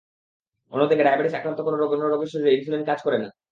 অন্যদিকে ডায়াবেটিসে আক্রান্ত কোনো কোনো রোগীর শরীরে ইনসুলিন কাজ করে না।